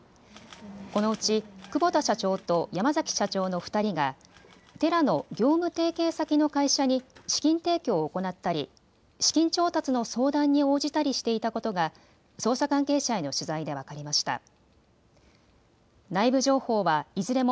このうち、久保田社長と山崎社長の２人がテラの業務提携先の会社に資金提供を行ったり資金調達の相談に応じたりしていたことが捜査関係者への取材で分かりました。